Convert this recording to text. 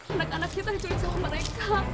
anak anak kita diculik sama mereka